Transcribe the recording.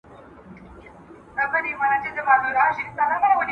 نبي علیه السلام د ټولو لپاره عادل و.